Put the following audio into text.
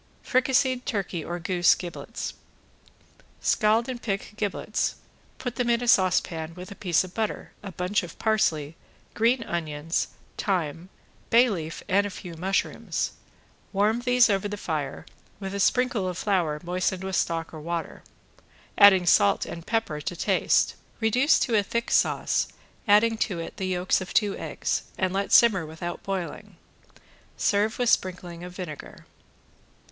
~FRICASSED TURKEY OR GOOSE GIBLETS~ Scald and pick giblets. Put them in a saucepan with a piece of butter, a bunch of parsley, green onions, thyme, bay leaf and a few mushrooms; warm these over the fire, with a sprinkle of flour moistened with stock or water, adding salt and pepper to taste. Reduce to a thick sauce, adding to it the yolks of two eggs, and let simmer without boiling. Serve with sprinkling of vinegar.